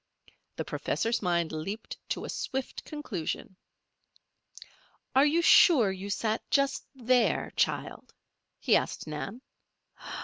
The professor's mind leaped to a swift conclusion. "Are you sure you sat just there, child?" he asked Nan.